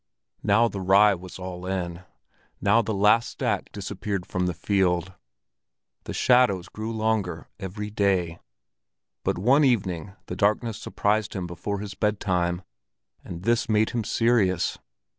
Now the rye was all in, now the last stack disappeared from the field, the shadows grew longer every day. But one evening the darkness surprised him before his bedtime, and this made him serious.